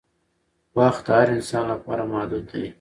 وخت د هر انسان لپاره محدود دی